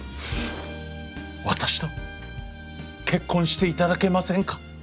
「私と結婚していただけませんか」。